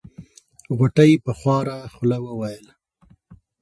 غوټۍ په خواره خوله وويل.